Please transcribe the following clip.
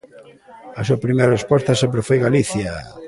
A súa primeira resposta sempre foi Galicia.